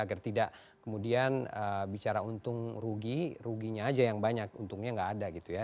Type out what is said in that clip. agar tidak kemudian bicara untung rugi ruginya aja yang banyak untungnya nggak ada gitu ya